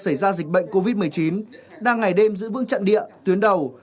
xảy ra dịch bệnh covid một mươi chín đang ngày đêm giữ vững trận địa tuyến đầu